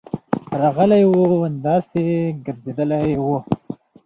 راغلی وو، داسي ګرځيدلی وو: